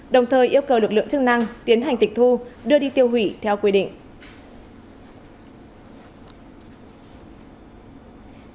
đồng thời yêu cầu lực lượng chức năng tiến hành tịch thu đưa đi tiêu hủy theo quy định